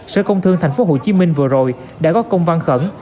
sở công thương tp hcm vừa rồi đã có công văn khẩn